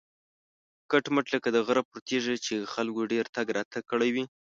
کټ مټ لکه د غره پر تیږه چې خلکو ډېر تګ راتګ کړی وي.